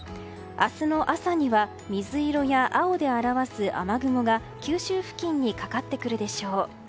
明日の朝には水色や青で表す雨雲が九州付近にかかってくるでしょう。